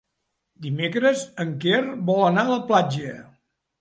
Dimecres en Quer vol anar a la platja.